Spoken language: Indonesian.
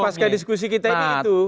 pas ke diskusi kita ini itu